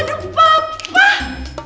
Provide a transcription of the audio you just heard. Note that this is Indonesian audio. aduh bapak belum pulang